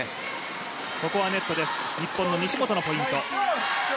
ここはネットです、日本の西本のポイント。